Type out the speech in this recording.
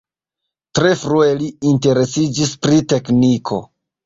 Tre frue li interesiĝis pri tekniko.